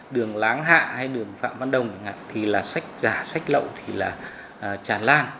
đường láng hạ hay đường phạm văn đồng thì sách giả sách lậu thì tràn lan